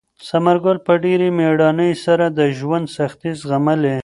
ثمر ګل په ډېرې مېړانې سره د ژوند سختۍ زغملې.